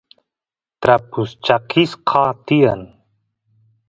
trapus chakisqa tiyan